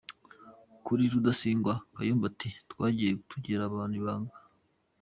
Kuri Rudasingwa, Kayumba ati : Twagiye tugirira abantu ibanga.